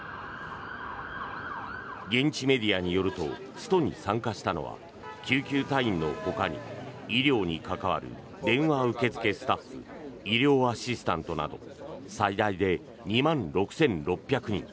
現地メディアによるとストに参加したのは救急隊員のほかに医療に関わる電話受付スタッフ医療アシスタントなど最大で２万６６００人。